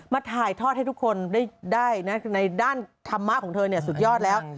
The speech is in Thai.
ถ่ายทอดให้ทุกคนได้ในด้านธรรมะของเธอสุดยอดแล้ว